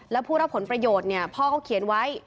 และผู้รับผลประโยชน์เนี่ยพ่อก็เขียนไว้